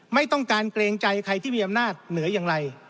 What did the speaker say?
ไม่ต้องการเกรงใจใครที่มีอำนาจเหนืออย่างไร